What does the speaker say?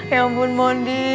ya ampun mondi